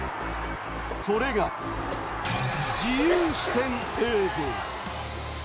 それが自由視点映像。